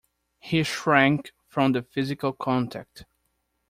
He shrank from the physical contact.